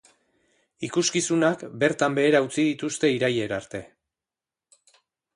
Ikuskizunak bertan behera utzi dituzte irailera arte.